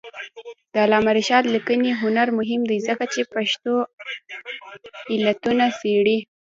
د علامه رشاد لیکنی هنر مهم دی ځکه چې پېښو علتونه څېړي.